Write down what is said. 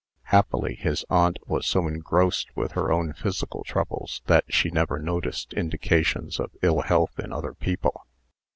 Happily, his aunt was so engrossed with her own physical troubles, that she never noticed indications of ill health in other people.